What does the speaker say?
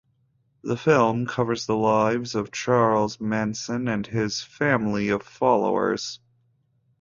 The film covers the lives of Charles Manson and his "family" of followers.